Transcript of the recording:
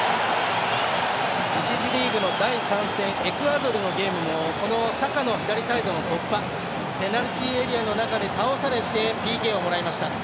１次リーグの第３戦エクアドルのゲームもこのサカの左サイドの突破ペナルティーエリアの中で倒されてＰＫをもらいました。